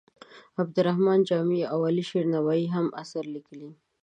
عبدالرحمان جامي او علي شیر نوایې هم اثار لیکلي.